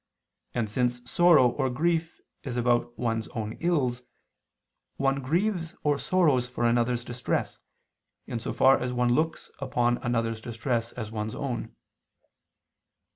And since sorrow or grief is about one's own ills, one grieves or sorrows for another's distress, in so far as one looks upon another's distress as one's own.